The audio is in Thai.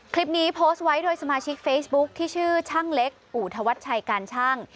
คลิปนี้โพสต์ไว้โดยสมาชิกเฟซบุ๊คที่ชื่อช่างเล็กอู่ธวัชชัยการช่าง